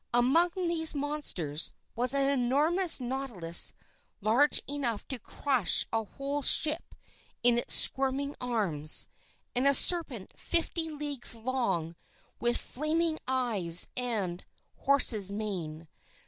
Among these monsters, was an enormous nautilus large enough to crush a whole ship in its squirming arms, and a serpent fifty leagues long with flaming eyes and horse's mane.